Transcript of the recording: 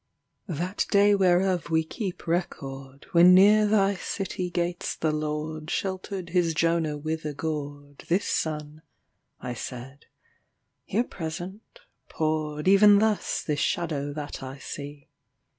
That day whereof we keep record, When near thy city gates the LordSheltered his Jonah with a gourd, This sun (I said), here present, pouredEven thus this shadow that I see.